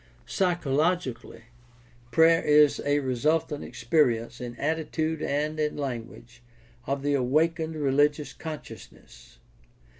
Psychologically, prayer is a resultant experi ence in attitude and in language of the awakened religious consciousness.